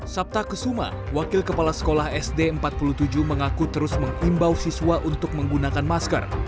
sabta kesuma wakil kepala sekolah sd empat puluh tujuh mengaku terus mengimbau siswa untuk menggunakan masker